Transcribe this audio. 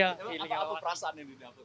apa perasaan yang didapat